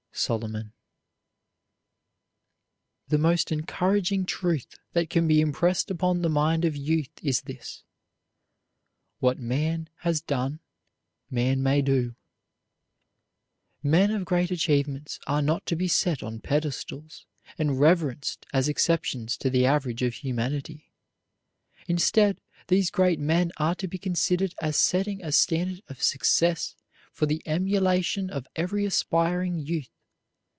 SOLOMON. The most encouraging truth that can be impressed upon the mind of youth is this: "What man has done man may do." Men of great achievements are not to be set on pedestals and reverenced as exceptions to the average of humanity. Instead, these great men are to be considered as setting a standard of success for the emulation of every aspiring youth.